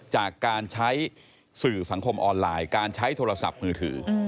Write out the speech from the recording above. จากการใช้สื่อสังคมออนไลน์การใช้โทรศัพท์มือถือ